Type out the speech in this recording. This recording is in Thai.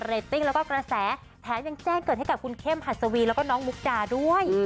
แล้วก็กระแสแถมยังแจ้งเกิดให้กับคุณเข้มหัสวีแล้วก็น้องมุกดาด้วย